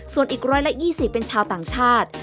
ส่วนอีก๑๒๐เป็นชาวต่างชาติ